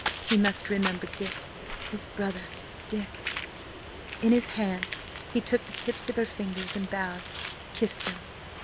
... He must remember Dick–his brother Dick! In his hand he took the tips of her fingers, and bowing, kissed them.